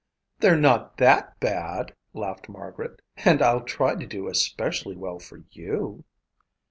"They're not that bad," laughed Margaret, "and I'll try to do especially well for you."